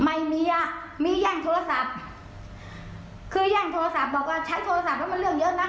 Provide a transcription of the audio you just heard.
ไม่มีอ่ะมีแย่งโทรศัพท์คือแย่งโทรศัพท์บอกว่าใช้โทรศัพท์แล้วมันเรื่องเยอะนะ